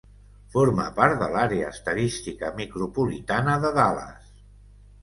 Forma part de l'àrea estadística micropolitana de Dallas.